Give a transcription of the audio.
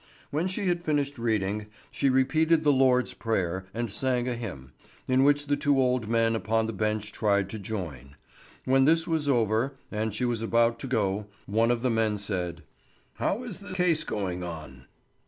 When she had finished reading, she repeated the Lord's Prayer and sang a hymn, in which the two old men upon the bench tried to join. When this was over and she was about to go, one of the men said: "How is the case going on?"